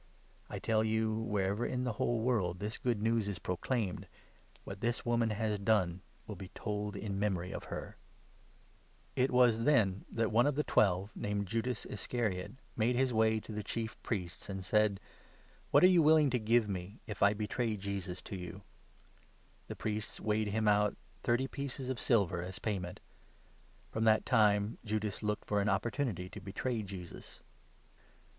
I tell you, wher 13 ever, in the whole world, this Good News is proclaimed, what this woman has done will be told in memory of her." 41 Enoch 54. i, 5. Dan. 12. 2. 92 MATTHEW, 26. judas agrees ^ was then that one of the Twelve, named to betray Judas Iscariot, made his way to the Chief Priests, Jesus. an(j said " What are you willing to give me, if I betray Jesus to you ?" The Priests ' weighed him out thirty pieces of silver ' as payment. So from that time Judas looked for an opportunity to betray Jesus.